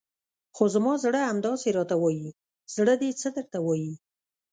خو زما زړه همداسې راته وایي، زړه دې څه درته وایي؟